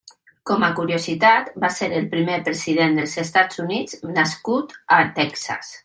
Com a curiositat, va ser el primer President dels Estats Units nascut a Texas.